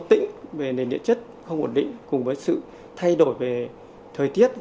tỉnh về nền địa chất không ổn định cùng với sự thay đổi về thời tiết